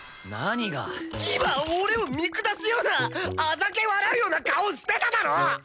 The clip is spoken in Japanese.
今俺を見下すようなあざけ笑うような顔してただろ！